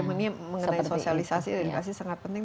ini mengenai sosialisasi edukasi sangat penting